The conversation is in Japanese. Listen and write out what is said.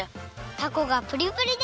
たこがプリプリです！